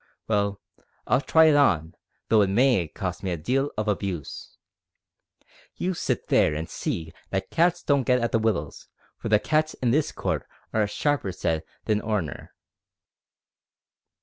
Well, I'll try it on, though it may cost me a deal of abuse. You sit there an' see that cats don't get at the wittles, for the cats in this court are a sharper set than or'nar."